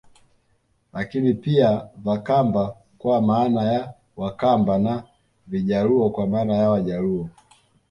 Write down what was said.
Lakini pia Vakamba kwa maana ya Wakamba na Vajaluo kwa maana ya Wajaluo